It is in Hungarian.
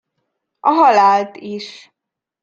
A halált is.